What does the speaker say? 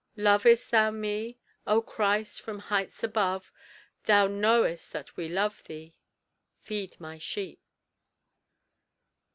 "Lovest thou me?" O Christ, from heights above, Thou knowest that we love thee. "Feed my sheep."